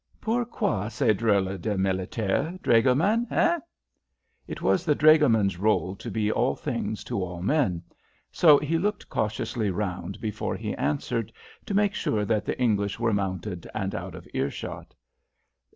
Pourquoi ces drôles de militaires, dragoman, hein?" It was the dragoman's rôle to be all things to all men, so he looked cautiously round before he answered to make sure that the English were mounted and out of earshot.